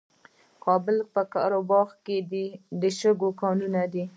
د کابل په قره باغ کې د شګو کانونه دي.